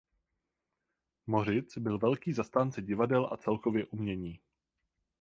Mořic byl velký zastánce divadel a celkově umění.